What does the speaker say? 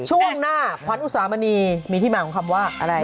ช่วงหน้าขวัญอุสามณีมีที่มาของคำว่าอะไร